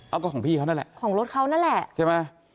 เอาก็ของพี่เขานั่นแหละของรถเขานั่นแหละใช่ไหม